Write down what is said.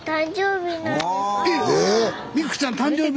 美来ちゃん誕生日！